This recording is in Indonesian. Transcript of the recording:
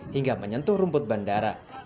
hingga menyentuh rumput bandara